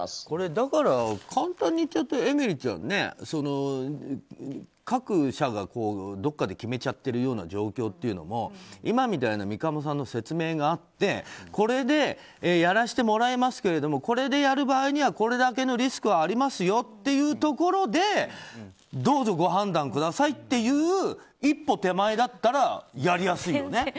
これだから簡単に言っちゃうとえみりちゃん、各社がどこかで決めちゃってる状況というのも今みたいな三鴨さんの説明があってこれでやらしてもらいますけどもこれでやる場合にはこれだけのリスクがありますよというところでどうぞ、ご判断くださいっていう一歩手前だったらやりやすいよね。